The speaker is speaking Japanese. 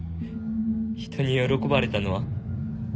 人に喜ばれたのは